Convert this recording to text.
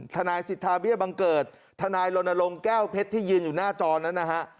ทนายสิทธาเบี้ยบังเกิดทนายลนลงแก้วเพชรที่ยืนอยู่หน้าจอนั้นนะฮะ